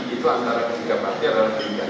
itu antara ketiga partai adalah ketiga